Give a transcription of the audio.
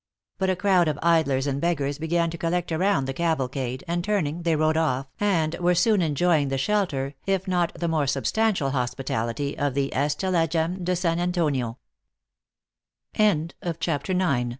But a crowd of idlers and beggars began to collect around the cavalcade, and turning, they rode off, and were soon enjoying the shelter, if not the more substantial hospitality, of the Estalagem d